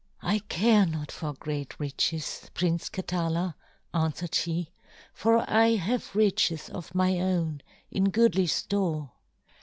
"I care not for great riches, Prince Katala," answered she, "for I have riches of my own in goodly store.